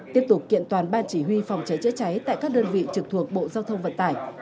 tiếp tục kiện toàn ban chỉ huy phòng cháy chữa cháy tại các đơn vị trực thuộc bộ giao thông vận tải